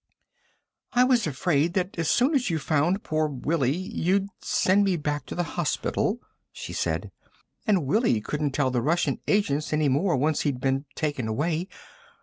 "I was afraid that as soon as you found poor Willie you'd send me back to the hospital," she said. "And Willie couldn't tell the Russian agents any more once he'd been taken away.